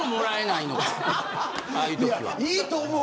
いいと思う。